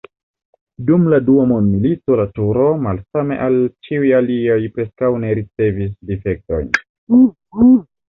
Dum la Dua mondmilito la turo, malsame al ĉiuj aliaj, preskaŭ ne ricevis difektojn.